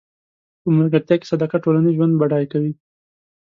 په ملګرتیا کې صداقت ټولنیز ژوند بډای کوي.